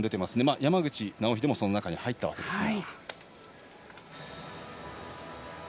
山口尚秀もその中に入ったわけですが。